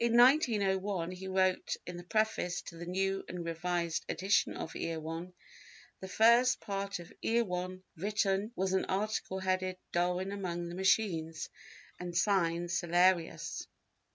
In 1901 he wrote in the preface to the new and revised edition of Erewhon: "The first part of Erewhon written was an article headed Darwin among the Machines and signed 'Cellarius.